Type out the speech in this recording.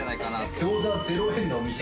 餃子０円の店。